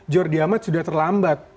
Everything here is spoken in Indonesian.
jordi amat sudah terlambat